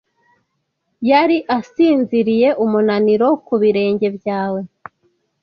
yari asinziriye umunaniro ku birenge byawe